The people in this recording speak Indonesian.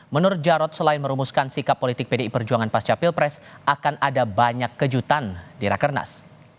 menurut jarod selain merumuskan sikap politik pdi perjuangan pasca pilpres akan ada banyak kejutan di rakernas